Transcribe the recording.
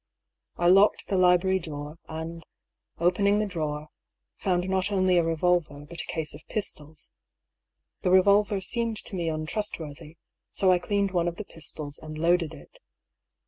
I locked the library door, and, opening the drawer, found not only a revolver, but a case of pistols. The re volver seemed to me untrustworthy, so I cleaned one of the pistols, and loaded it.